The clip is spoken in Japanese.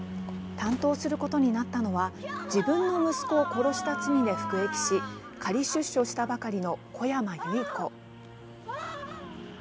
担当することになったのは自分の息子を殺した罪で服役し仮出所したばかりの小山結子。